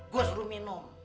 gue suruh minum